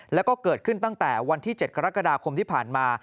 แล้วก็เกิดขึ้นตั้งแต่วันที่๗กรกฎาคมที่ผ่านมา